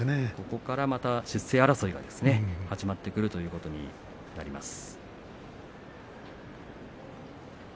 ここから出世争いが始まってくるということになります。